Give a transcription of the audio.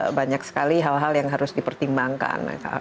dan juga banyak sekali hal hal yang harus dipertimbangkan